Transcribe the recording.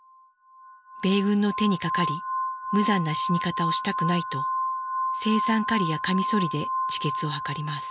米軍の手にかかり無残な死に方をしたくないと青酸カリやカミソリで自決を図ります。